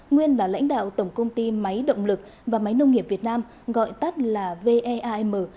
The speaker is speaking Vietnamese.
nguyên là lãnh đạo tổng công ty máy động lực và máy nông nghiệp việt nam gọi tắt là veam